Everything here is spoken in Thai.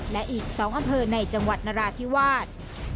และอีก๒อำเภอในจังหวัดนราธิวาส